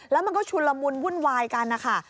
แล้วมันก็ชุนละมุนวุ่นวายกันนะคะ